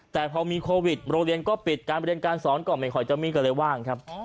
แต่พอมีโควิดโรงเรียนก็ปิดการบริเวณการสอนก่อนไม่คอยเจ้ามีก็เลยว่างครับอ๋อ